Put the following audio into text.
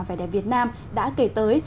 vẻ đẹp việt nam đã kể tới